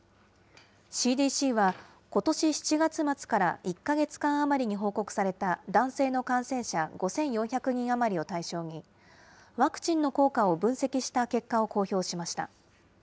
ＣＤＣは、ことし７月末から１か月間余りに報告された男性の感染者５４００人余りを対象に、ワクチンの効果を分析した結果を公表しました。